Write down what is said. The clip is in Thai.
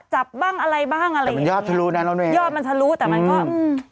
จับบ้างอะไรบ้างอะไรอย่างนี้นะครับยอดมันทะลุแต่มันก็อืม